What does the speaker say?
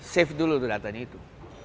save dulu datanya itu